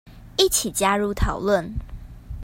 一起加入討論